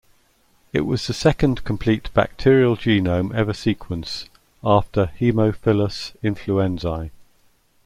It was the second complete bacterial genome ever sequenced, after "Haemophilus influenzae".